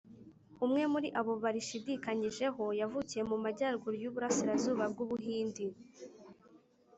umwe muri abo barishidikanyijeho yavukiye mu majyaruguru y’uburasirazuba bw’u buhindi